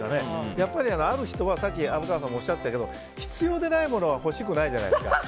やっぱり、ある人はさっき虻川さんもおっしゃったけど必要でないものは欲しくないじゃないですか。